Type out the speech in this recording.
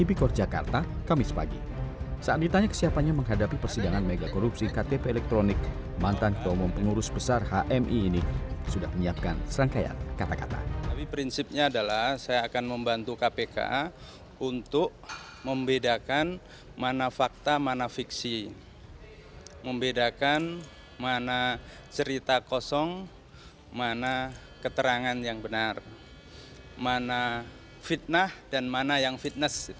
fiksi membedakan mana cerita kosong mana keterangan yang benar mana fitnah dan mana yang fitness